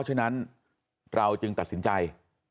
ฉะนั้นเราจึงตัดสินใจ